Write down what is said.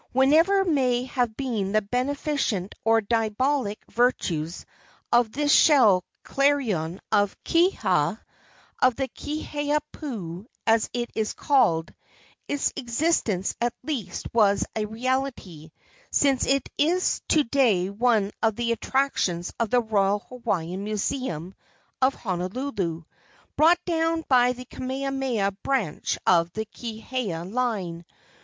Whatever may have been the beneficent or diabolic virtues of this shell clarion of Kiha of the Kiha pu, as it is called its existence, at least, was a reality, since it is to day one of the attractions of the Royal Hawaiian Museum of Honolulu, brought down by the Kamehameha branch of the Kiha line.